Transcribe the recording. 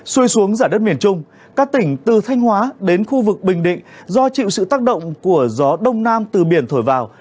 xuôi xuống giả đất miền trung các tỉnh từ thanh hóa đến khu vực bình định do chịu sự tác động của gió đông nam từ biển thổi vào